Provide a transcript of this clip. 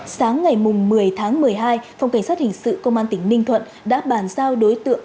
sáng ngày một mươi tháng một mươi hai phòng cảnh sát hình sự công an tỉnh ninh thuận đã bàn giao đối tượng